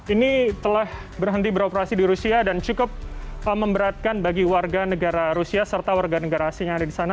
ini telah berhenti beroperasi di rusia dan cukup memberatkan bagi warga negara rusia serta warga negara asing yang ada di sana